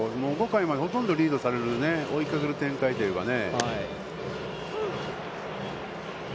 ５回まで、ほとんどリードされる追いかける展開というかね。